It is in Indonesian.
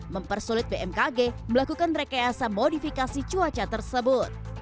mempersulit bmkg melakukan rekayasa modifikasi cuaca tersebut